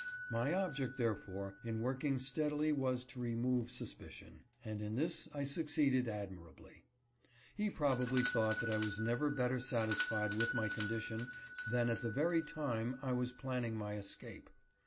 My object, therefore, in working steadily was to remove suspicion ; 240 RECEIVES TWENTY FIVE CENTS. and in this I succeeded admirably. He probably thought that I was never better satisfied with my condition than at the very time I was planning my escape.